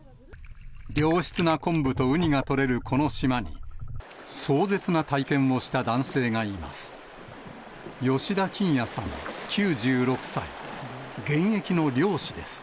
良質な昆布とウニが取れるこの島に、壮絶な体験をした男性がいます。